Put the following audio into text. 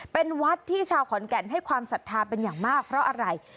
เป็นวัดที่ชาวขอนแก่นให้ความศรัทธาเป็นอย่างมากเพราะอะไร